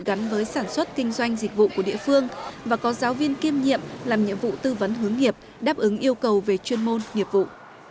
gắn với sản xuất kinh doanh dịch vụ của địa phương và có giáo viên kiêm nhiệm làm nhiệm vụ tư vấn hướng nghiệp đáp ứng yêu cầu về chuyên môn nghiệp vụ